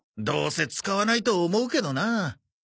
どうせ使わないと思うけどな。